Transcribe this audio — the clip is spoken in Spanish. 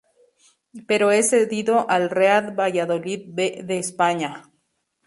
Pero es cedido al Real Valladolid B de España.